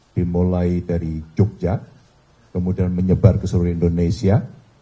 dimulai dari jogja kemudian menyebar ke seluruh indonesia